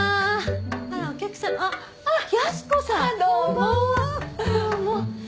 どうも。